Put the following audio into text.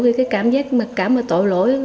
vì cái cảm giác mặt cảm và tội lỗi